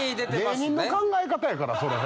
芸人の考え方やからそれ。